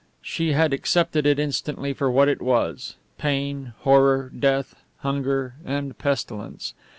She had accepted it instantly for what it was pain, horror, death, hunger, and pestilence.